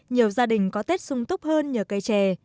nhiều gia đình có tết sung túc hơn nhờ cây trè